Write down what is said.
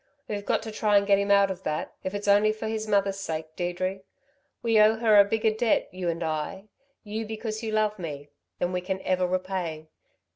We've got to try and get him out of that, if it's only for his mother's sake, Deirdre. We owe her a bigger debt, you and I you because you love me than we can ever repay."